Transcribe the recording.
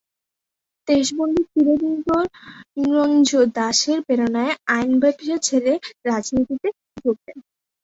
দেশবন্ধু চিত্তরঞ্জন দাশের প্রেরণায় আইন ব্যবসা ছেড়ে রাজনীতিতে যোগ দেন।